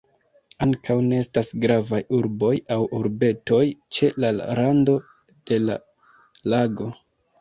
Ankaŭ ne estas gravaj urboj aŭ urbetoj ĉe la rando de la lago.